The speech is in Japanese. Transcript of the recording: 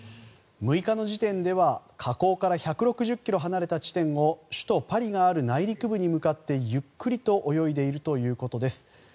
６日の時点では河口から１６０ｋｍ離れた地点を首都パリがある内陸部に向かってゆっくりと泳いでいるということです。